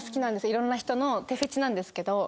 いろんな人の手フェチなんですけど。